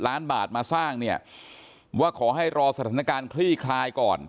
ล้านบาทมาสร้างเนี่ยว่าขอให้รอสถานการณ์คลี่คลายก่อน